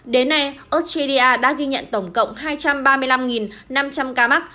đến nay australia đã ghi nhận tổng cộng hai trăm ba mươi năm năm trăm linh ca mắc